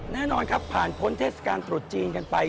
แน่นอนครับผ่านพ้นเทศกาลตรุษจีนกันไป